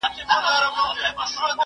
تا چي ول ته به کامياب سې